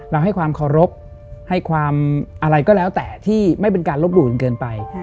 เราให้ความขอรบให้ความอะไรก็แล้วแต่ที่ไม่เป็นการรบดูดเกินไป